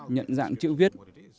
nhận dạng chữ viết